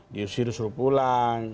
diusir suruh pulang